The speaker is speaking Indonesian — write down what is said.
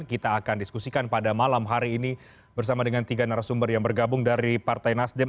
kita akan diskusikan pada malam hari ini bersama dengan tiga narasumber yang bergabung dari partai nasdem